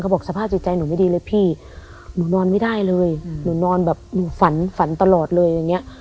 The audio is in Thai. บอกสภาพจิตใจหนูไม่ดีเลยพี่หนูนอนไม่ได้เลยหนูนอนแบบหนูฝันฝันตลอดเลยอย่างเงี้ย